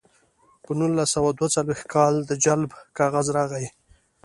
په نولس سوه دوه څلویښت کال د جلب کاغذ راغی